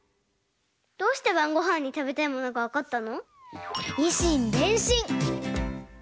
どうしてばんごはんにたべたいものがわかったの？